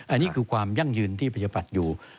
อันนี้คือความยั่งยืนที่ปฏิบัติอยู่